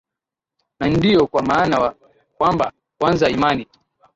na ndiyo kwa maana kwamba kwanza imani